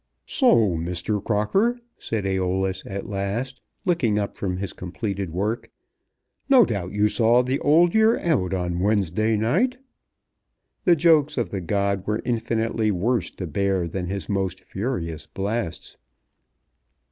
"So, Mr. Crocker," said Æolus at last, looking up from his completed work; "no doubt you saw the Old Year out on Wednesday night." The jokes of the god were infinitely worse to bear than his most furious blasts.